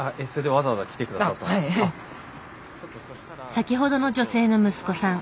先ほどの女性の息子さん。